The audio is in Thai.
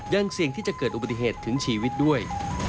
ยังเสี่ยงที่จะเกิดอุบัติเหตุถึงชีวิตด้วย